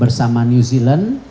bersama new zealand